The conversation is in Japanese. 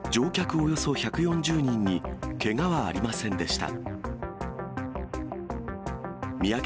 およそ１４０人にけがはありませんでした。